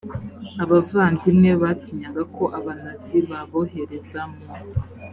abavandimwe batinyaga ko abanazi babohereza mu